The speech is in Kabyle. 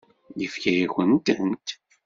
Yefka-yakent-tent?